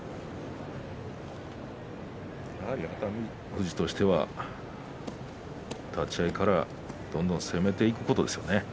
やはり熱海富士としては立ち合いからどんどん攻めていくことですよね。